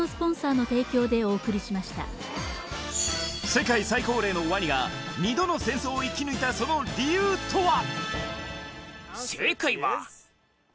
世界最高齢のワニが２度の戦争を生き抜いたその理由とは！？